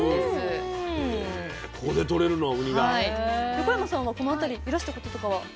横山さんはこの辺りいらしたこととかは？